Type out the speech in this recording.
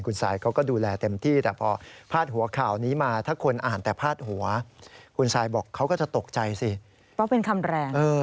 เพราะเป็นคำแรง